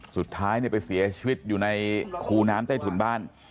สุดท้ายไปเสียชีวิตอยู่ในคูน้ำใต้ถุนบ้าน